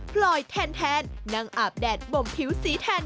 ปล่อยแทนนั่งอาบแดดบ่มผิวสีแทน